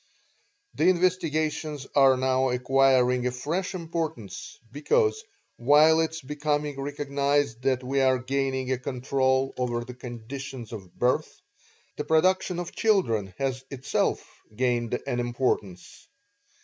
The investigations are now acquiring a fresh importance, because, while it is becoming recognized that we are gaining a control over the conditions of birth, the production of children has itself gained an importance.